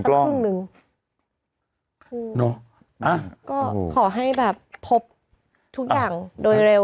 ก็ขอให้แบบพบทุกอย่างโดยเร็ว